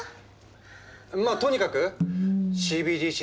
まあとにかくＣＢＤＣ